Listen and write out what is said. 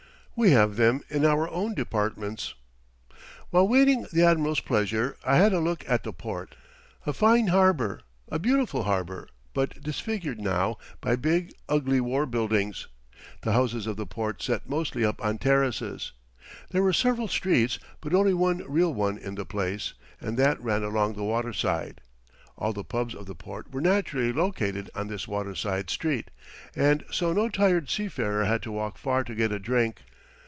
We have them in our own departments. While waiting the admiral's pleasure I had a look at the port. A fine harbor, a beautiful harbor, but disfigured now by big, ugly war buildings. The houses of the port set mostly up on terraces. There were several streets, but only one real one in the place, and that ran along the waterside. All the pubs of the port were naturally located on this waterside street, and so no tired seafarer had to walk far to get a drink.